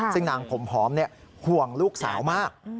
ซึ่งนางผมหอมห่วงลูกสาวมาก